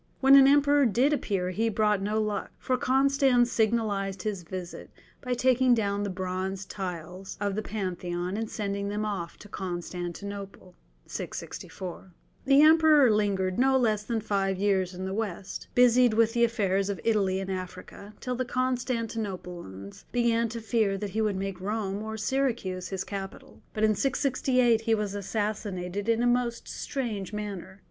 When an emperor did appear he brought no luck, for Constans signalized his visit by taking down the bronze tiles of the Pantheon and sending them off to Constantinople . The Emperor lingered no less than five years in the West, busied with the affairs of Italy and Africa, till the Constantinopolitans began to fear that he would make Rome or Syracuse his capital. But in 668 he was assassinated in a most strange manner.